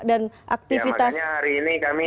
dan aktivitas tradisional ini bisa ber